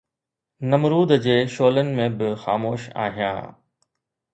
نمرود جي شعلن ۾ به خاموش آهيان